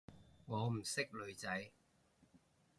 我唔識女仔